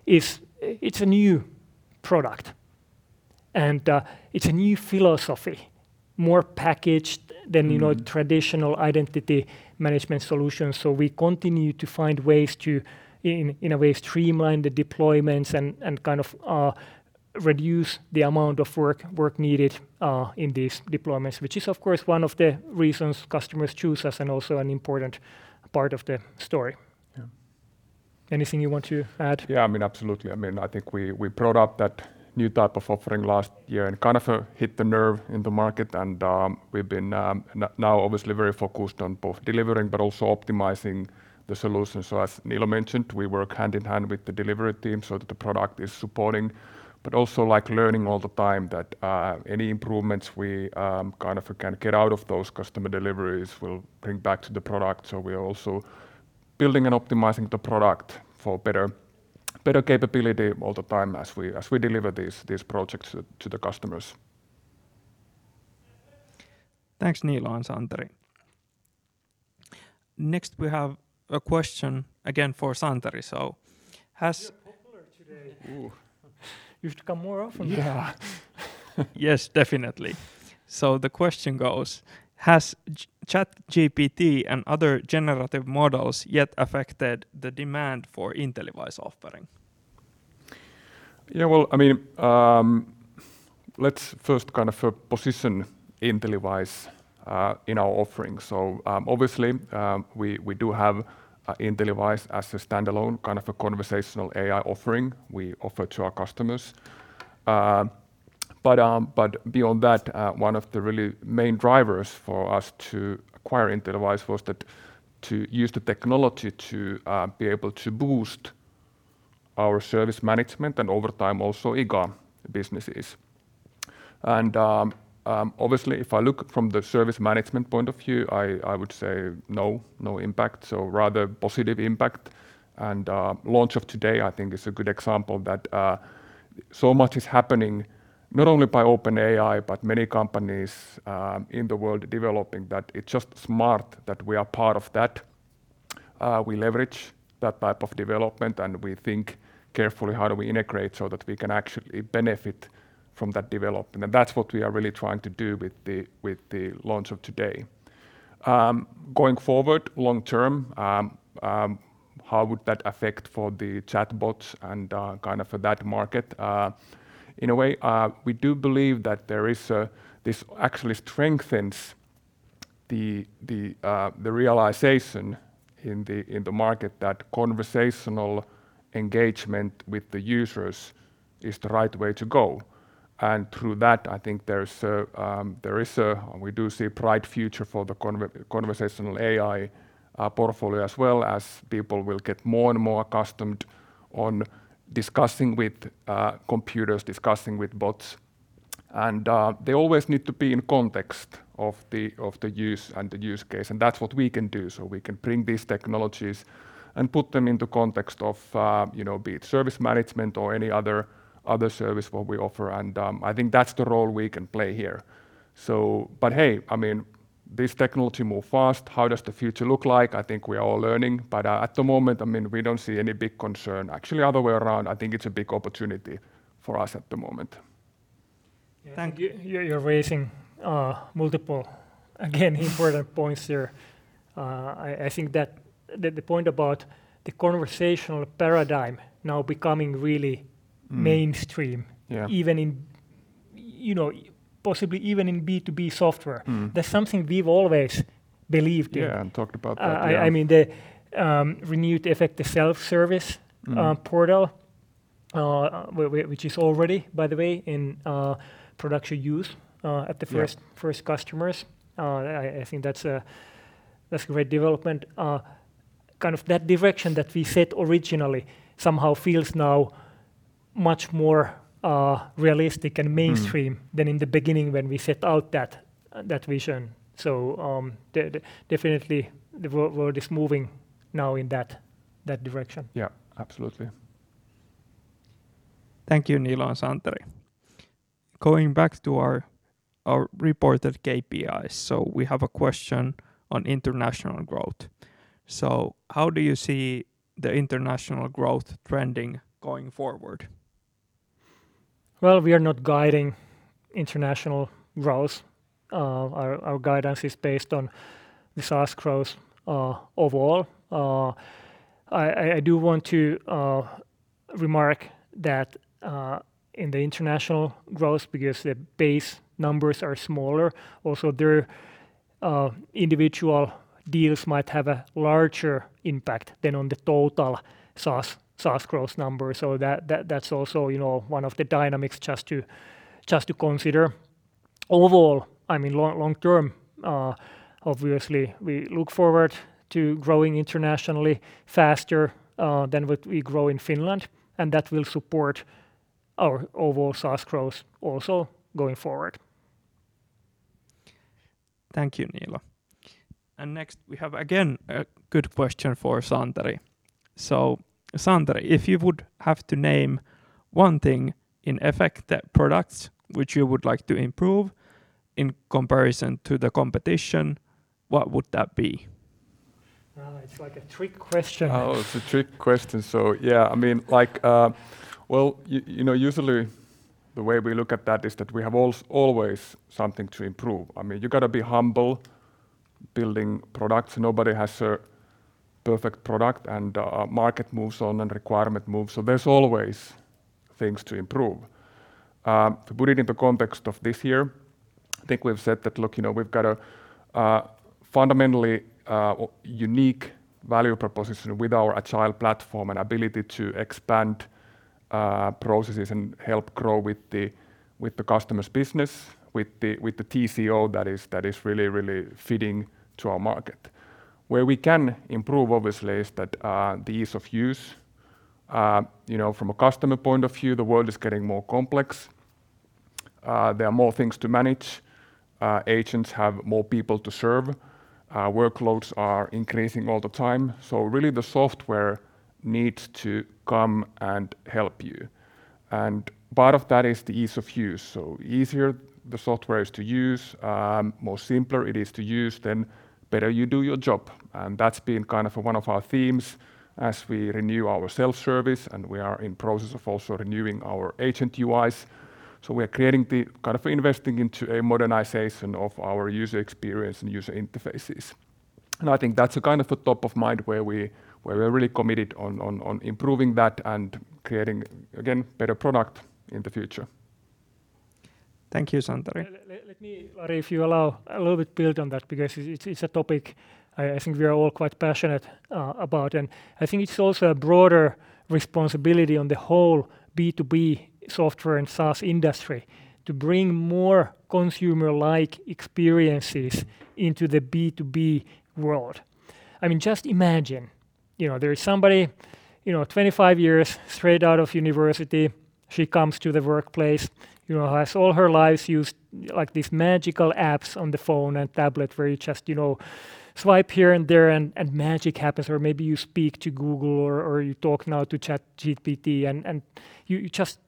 Speaker 2: is a new product and it's a new philosophy, more packaged than, you know, traditional identity management solutions. We continue to find ways to, in a way, streamline the deployments and kind of reduce the amount of work needed in these deployments, which is, of course, one of the reasons customers choose us and also an important part of the story.
Speaker 3: Yeah.
Speaker 2: Anything you want to add?
Speaker 3: Absolutely. I think we brought out that new type of offering last year and kind of hit the nerve in the market. We've been now obviously very focused on both delivering but also optimizing the solution. As Niilo mentioned, we work hand in hand with the delivery team so that the product is supporting. Also, like, learning all the time that any improvements we kind of get out of those customer deliveries, we'll bring back to the product. We are also building and optimizing the product for better capability all the time as we deliver these projects to the customers.
Speaker 1: Thanks, Niilo and Santeri. Next, we have a question again for Santeri.
Speaker 2: You're popular today.
Speaker 3: Ooh.
Speaker 2: You should come more often.
Speaker 1: Yeah. Yes, definitely. The question goes: Has ChatGPT and other generative models yet affected the demand for InteliWISE offering?
Speaker 3: Yeah, well, I mean, let's first kind of position InteliWISE in our offering. Obviously, we do have InteliWISE as a standalone kind of a conversational AI offering we offer to our customers. Beyond that, one of the really main drivers for us to acquire InteliWISE was that to use the technology to be able to boost our service management and over time also IGA businesses. Obviously, if I look from the service management point of view, I would say no impact. Rather positive impact. Launch of today I think is a good example that so much is happening not only by OpenAI, but many companies in the world developing, that it's just smart that we are part of that. We leverage that type of development, and we think carefully how do we integrate so that we can actually benefit from that development. That's what we are really trying to do with the launch of today. Going forward long term, how would that affect for the chatbots and kind of for that market? In a way, we do believe that this actually strengthens the realization in the market that conversational engagement with the users is the right way to go. Through that, I think there is, we do see a bright future for conversational AI portfolio as well as people will get more and more accustomed on discussing with computers, discussing with bots. They always need to be in context of the, of the use and the use case, and that's what we can do. We can bring these technologies and put them into context of, you know, be it service management or any other service what we offer. I think that's the role we can play here. Hey, I mean, this technology move fast. How does the future look like? I think we are all learning. At the moment, I mean, we don't see any big concern. Actually, other way around, I think it's a big opportunity for us at the moment.
Speaker 2: Thank you. You're raising, multiple, again, important points there. I think that the point about the conversational paradigm now becoming really mainstream-
Speaker 3: Yeah....
Speaker 2: even in, you know, possibly even in B2B software.
Speaker 3: Mmm.
Speaker 2: That's something we've always believed in.
Speaker 3: Yeah, talked about that, yeah.
Speaker 2: I mean, the renewed Efecte, the self-service, portal-
Speaker 3: Mmm....
Speaker 2: which is already, by the way, in production use-
Speaker 3: Yeah....
Speaker 2: at the first customers. I think that's a great development. kind of that direction that we set originally somehow feels now much more realistic and mainstream than in the beginning when we set out that vision. Definitely the world is moving now in that direction.
Speaker 3: Yeah, absolutely.
Speaker 1: Thank you, Niilo and Santeri. Going back to our reported KPIs, we have a question on international growth. How do you see the international growth trending going forward? Well, we are not guiding international growth. Our guidance is based on the SaaS growth overall. I do want to remark that in the international growth, because the base numbers are smaller, also there individual deals might have a larger impact than on the total SaaS growth number. That's also, you know, one of the dynamics just to consider. Overall, I mean long term, obviously we look forward to growing internationally faster than what we grow in Finland, and that will support our overall SaaS growth also going forward. Thank you, Niilo. Next, we have again a good question for Santeri. Santeri, if you would have to name one thing in Efecte products which you would like to improve in comparison to the competition, what would that be?
Speaker 2: Oh, it's like a trick question.
Speaker 3: Oh, it's a trick question. Yeah, I mean, like, you know, usually the way we look at that is that we have always something to improve. I mean, you gotta be humble building products. Nobody has a perfect product, and market moves on and requirement moves. There's always things to improve. To put it into context of this year, I think we've said that, look, you know, we've got a fundamentally unique value proposition with our agile platform and ability to expand processes and help grow with the, with the customer's business, with the, with the TCO that is, that is really, really fitting to our market. Where we can improve obviously is that the ease of use. You know, from a customer point of view, the world is getting more complex. There are more things to manage. Agents have more people to serve. Workloads are increasing all the time. Really the software needs to come and help you. Part of that is the ease of use. Easier the software is to use, more simpler it is to use, then better you do your job. That's been kind of one of our themes as we renew our self-service, and we are in process of also renewing our agent UIs. We're creating kind of investing into a modernization of our user experience and user interfaces. I think that's a kind of the top of mind where we're really committed on improving that and creating, again, better product in the future.
Speaker 1: Thank you, Santeri.
Speaker 2: Let me, Lari, if you allow, a little bit build on that because it's a topic I think we are all quite passionate about. I think it's also a broader responsibility on the whole B2B software and SaaS industry to bring more consumer-like experiences into the B2B world. I mean, just imagine, you know, there is somebody, you know, 25 years, straight out of university. She comes to the workplace, you know, has all her life used, like, these magical apps on the phone and tablet where you just, you know, swipe here and there and magic happens, or maybe you speak to Google or you talk now to ChatGPT and you just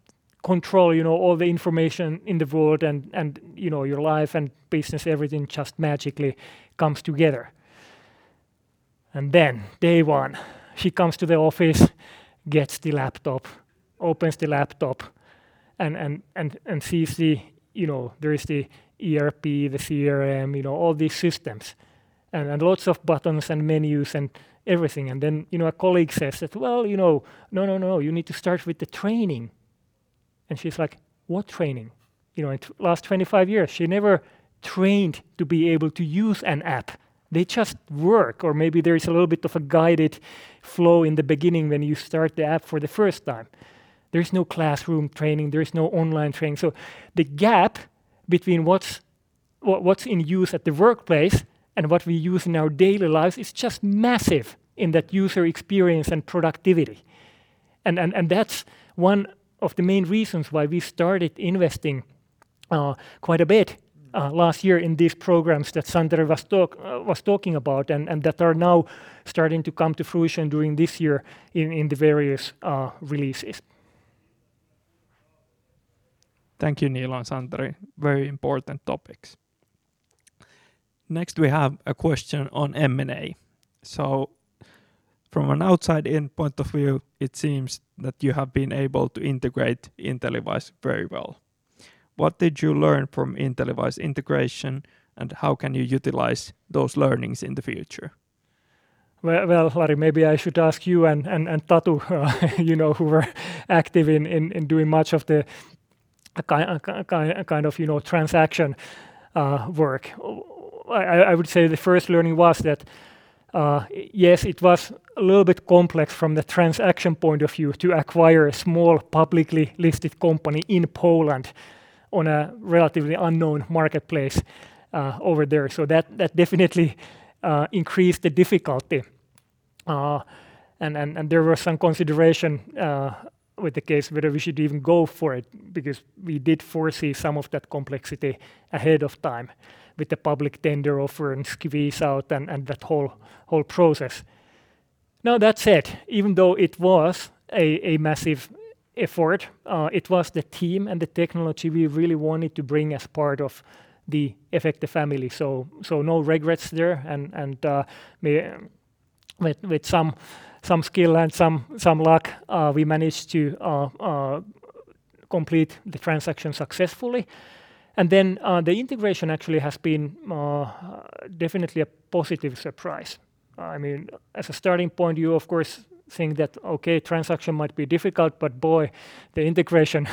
Speaker 2: control, you know, all the information in the world and, you know, your life and business, everything just magically comes together. Day one, she comes to the office, gets the laptop, opens the laptop and sees the, you know, there is the ERP, the CRM, you know, all these systems and lots of buttons and menus and everything. Then, you know, a colleague says that, "Well, you know, no, you need to start with the training." And she's like, "What training?" You know, in last 25 years, she never trained to be able to use an app. They just work. Or maybe there is a little bit of a guided flow in the beginning when you start the app for the first time. There is no classroom training. There is no online training. The gap between what's in use at the workplace and what we use in our daily lives is just massive in that user experience and productivity. And that's one of the main reasons why we started investing quite a bit last year in these programs that Santeri was talking about and that are now starting to come to fruition during this year in the various releases.
Speaker 1: Thank you, Niilo and Santeri. Very important topics. Next, we have a question on M&A. From an outside-in point of view, it seems that you have been able to integrate InteliWISE very well. What did you learn from InteliWISE integration, and how can you utilize those learnings in the future?
Speaker 2: Well, well, Lari, maybe I should ask you and Tatu, you know, who were active in doing much of the kind of, you know, transaction work. I would say the first learning was that, yes, it was a little bit complex from the transaction point of view to acquire a small publicly listed company in Poland on a relatively unknown marketplace over there. That definitely increased the difficulty. There were some consideration with the case whether we should even go for it because we did foresee some of that complexity ahead of time with the public tender offer and squeeze-out and that whole process. That said, even though it was a massive effort, it was the team and the technology we really wanted to bring as part of the Efecte family. No regrets there and with some skill and some luck, we managed to complete the transaction successfully. The integration actually has been definitely a positive surprise. I mean, as a starting point, you of course think that, okay, transaction might be difficult, boy, the integration,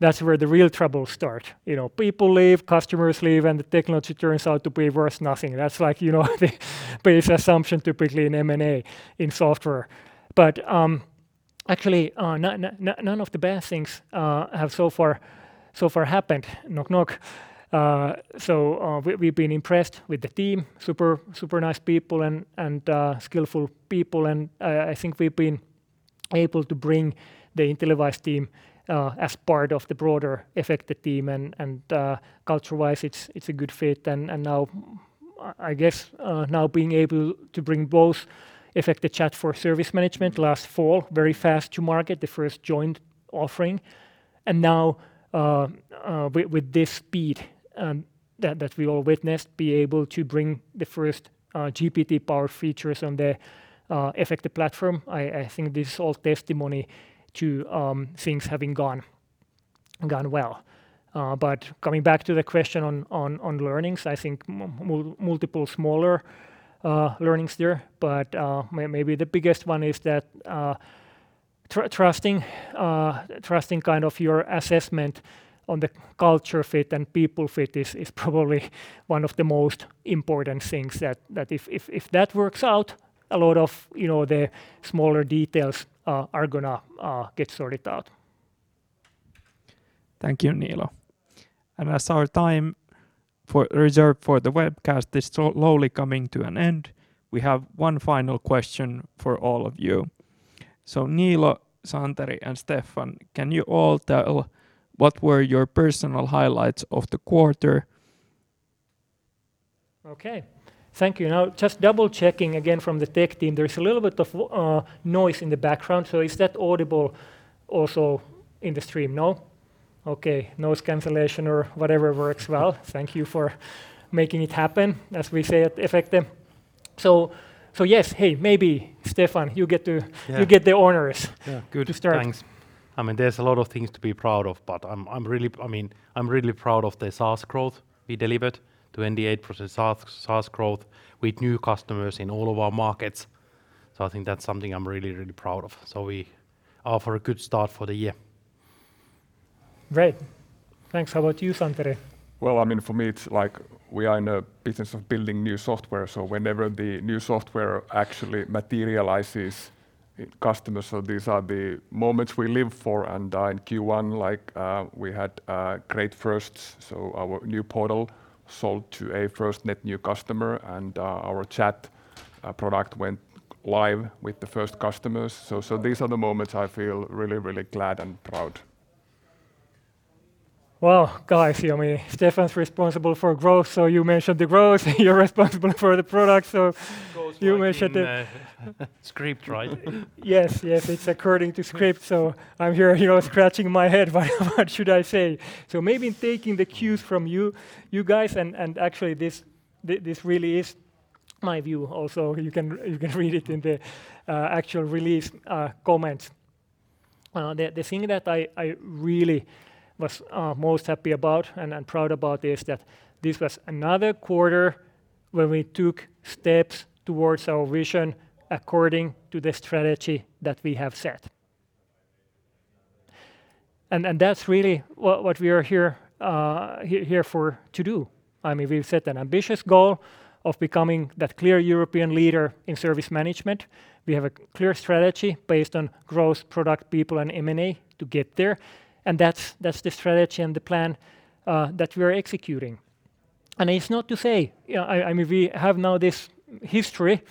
Speaker 2: that's where the real trouble start. You know, people leave, customers leave, the technology turns out to be worth nothing. That's like, you know, the base assumption typically in M&A in software. Actually, none of the bad things have so far happened, knock. We've been impressed with the team, super nice people and skillful people. I think we've been able to bring the InteliWISE team as part of the broader Efecte team. Culture-wise, it's a good fit. Now I guess, now being able to bring both Efecte Chat for Service Management last fall very fast to market, the first joint offering, and now with this speed that we all witnessed, be able to bring the first GPT power features on the Efecte platform. I think this is all testimony to things having gone well. Coming back to the question on learnings, I think multiple smaller learnings there. Maybe the biggest one is that, trusting kind of your assessment on the culture fit and people fit is probably one of the most important things that if that works out, a lot of, you know, the smaller details are gonna get sorted out.
Speaker 1: Thank you, Niilo. As our time for reserve for the webcast is slowly coming to an end, we have one final question for all of you. Niilo, Santeri, and Steffan, can you all tell what were your personal highlights of the quarter?
Speaker 2: Okay. Thank you. Now, just double-checking again from the tech team, there's a little bit of noise in the background. Is that audible also in the stream? No? Okay. Noise cancellation or whatever works well. Thank you for making it happen, as we say at Efecte. Yes. Hey, maybe Steffan, you get-
Speaker 4: Yeah....
Speaker 2: You get the honors-
Speaker 4: Yeah. Good. Thanks....
Speaker 2: to start.
Speaker 4: I mean, there's a lot of things to be proud of, but I'm really, I mean, I'm really proud of the SaaS growth we delivered, 28% SaaS growth with new customers in all of our markets. I think that's something I'm really proud of. We are off for a good start for the year.
Speaker 2: Great. Thanks. How about you, Santeri?
Speaker 3: Well, I mean, for me, it's like we are in a business of building new software, so whenever the new software actually materializes in customers. These are the moments we live for. In Q1, like, we had great firsts. Our new portal sold to a first net new customer, and our chat product went live with the first customers. These are the moments I feel really, really glad and proud.
Speaker 2: Well, guys, you know, I mean, Steffan's responsible for growth, so you mentioned the growth. You're responsible for the product, so you mentioned it.
Speaker 1: It goes like in a script, right?
Speaker 2: Yes. Yes. It's according to script. I'm here, you know, scratching my head. What should I say? Maybe taking the cues from you guys, and actually this really is my view also. You can read it in the actual release comments. The thing that I really was most happy about and proud about is that this was another quarter where we took steps towards our vision according to the strategy that we have set. That's really what we are here for to do. I mean, we've set an ambitious goal of becoming that clear European leader in service management. We have a clear strategy based on growth, product, people, and M&A to get there, and that's the strategy and the plan that we're executing. It's not to say... You know, I mean, we have now this history,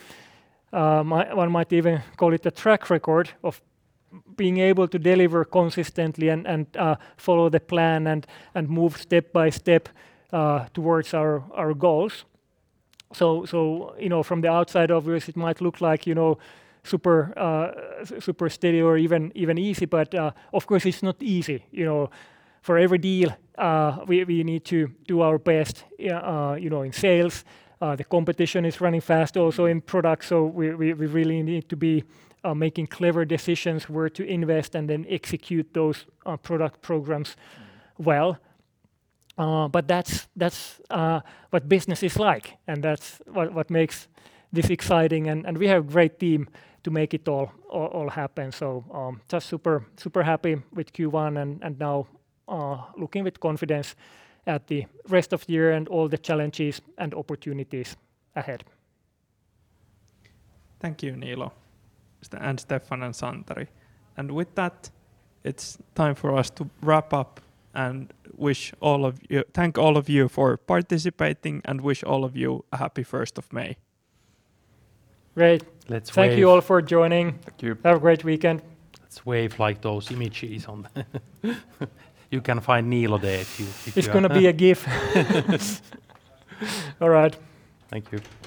Speaker 2: one might even call it a track record of being able to deliver consistently and follow the plan and move step by step towards our goals. You know, from the outside, obviously, it might look like, you know, super steady or even easy. Of course, it's not easy. You know, for every deal, we need to do our best, you know, in sales. The competition is running fast also in product. We really need to be making clever decisions where to invest and then execute those product programs well. That's what business is like, and that's what makes this exciting. We have great team to make it all happen. Just super happy with Q1 and now looking with confidence at the rest of the year and all the challenges and opportunities ahead.
Speaker 1: Thank you, Niilo, and Steffan and Santeri. With that, it's time for us to wrap up and thank all of you for participating and wish all of you a happy first of May.
Speaker 2: Great.
Speaker 4: Let's wave.
Speaker 2: Thank you all for joining.
Speaker 3: Thank you.
Speaker 2: Have a great weekend.
Speaker 4: Let's wave like those emojis on. You can find Niilo there if you.
Speaker 2: It's gonna be a GIF. All right.
Speaker 4: Thank you.